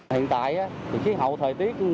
hiện tại thì khí hậu thời tiết